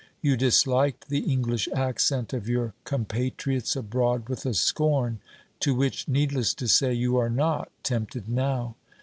You disliked the English accent of your compatriots abroad with a scorn to which, needless to say, you are not tempted now.